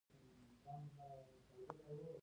ورس ولسوالۍ غرنۍ ده؟